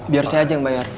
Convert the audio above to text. biar saya aja yang bayar